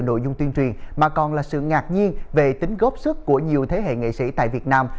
nội dung tuyên truyền mà còn là sự ngạc nhiên về tính góp sức của nhiều thế hệ nghệ sĩ tại việt nam